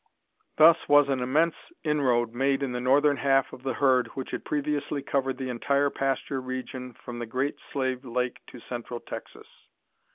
Thus was an immense inroad made in the northern half of the herd which had previously covered the entire pasture region from the Great Slave Lake to central Texas.